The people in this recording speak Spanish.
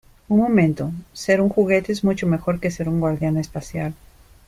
Un momento. Ser un juguete es mucho mejor que ser un guardián espacial .